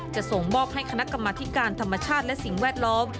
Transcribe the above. จะส่งมอบให้คณะกรรมธิการธรรมชาติและสิ่งแวดล้อม